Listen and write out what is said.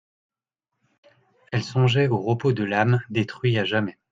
Elle songeait au repos de l'âme détruit à jamais.